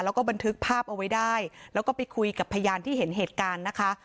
แล้วก็บันทึกภาพเอาไว้ได้แล้วก็ไปคุยกับพยานที่เห็นเหตุการณ์นะคะ